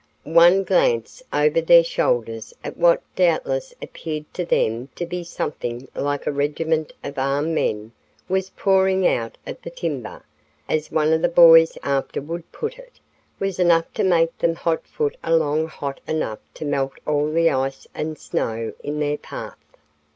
One glance over their shoulders at what doubtless appeared to them to be something like a regiment of armed men was pouring out of the timber, as one of the boys afterward put it, was enough to make them "hot foot along hot enough to melt all the ice and snow in their path."